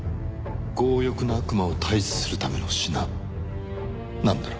強欲な悪魔を退治するための品なんだろ？